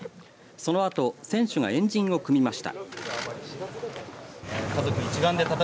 そのあと選手が円陣を組みました。